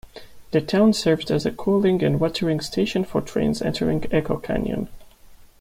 The town served as a coaling and watering station for trains entering Echo Canyon.